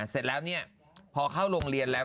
เสร็จแล้วพอเข้าโรงเรียนแล้ว